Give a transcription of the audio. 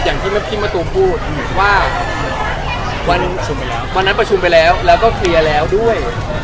อย่างที่พี่มาตูพูดว่าวันนั้นประชุมไปแล้วแล้วก็เคลียร์แล้วด้วย